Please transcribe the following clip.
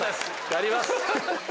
やります。